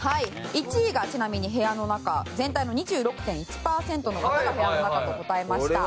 １位がちなみに部屋の中全体の２６．１パーセントの方が部屋の中と答えました。